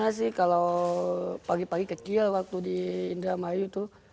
saya sih kalau pagi pagi kecil waktu di indramayu tuh